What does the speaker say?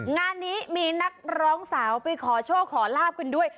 งานนี้มีนักร้องสาวไปขอโชคขอลาบกันด้วย